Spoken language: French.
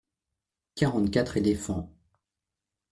Quarante-quatre éléphants.